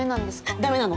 ダメなの。